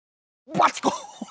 「バチコン！」